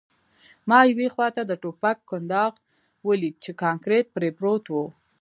ما یوې خواته د ټوپک کنداغ ولید چې کانکریټ پرې پروت و